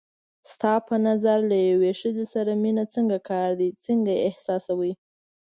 ستا په نظر له یوې ښځې سره مینه څنګه کار دی، څنګه یې احساسوې؟